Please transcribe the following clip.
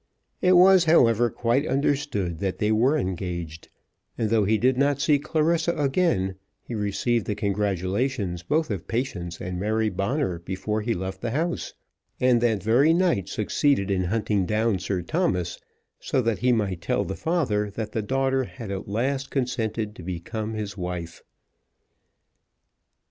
It was, however, quite understood that they were engaged; and, though he did not see Clarissa again, he received the congratulations both of Patience and Mary Bonner before he left the house; and that very night succeeded in hunting down Sir Thomas, so that he might tell the father that the daughter had at last consented to become his wife.